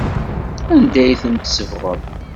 Anda ay ten-tsebɣem?